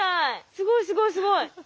すごいすごいすごい。